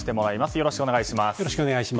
よろしくお願いします。